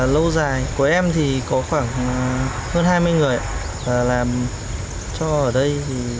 lâu dài của em thì có khoảng hơn hai mươi người và làm cho ở đây